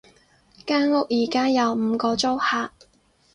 間屋而家有五個租客